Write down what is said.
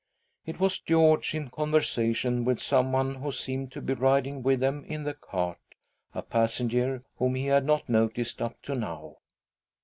It was George, in conversation with someone who seemed to be riding with them in the cart— a passenger whom he had not noticed up to now.